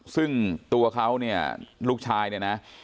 ซึ่งตัวเขาเนี่ยลูกชายเนี่ยนะ